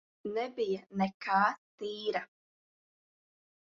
Nebija nekā tīra.